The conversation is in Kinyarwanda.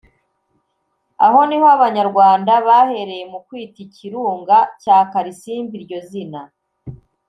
Aho niho abanyarwanda bahereye mu kwita ikirunga cya Karisimbi iryo zina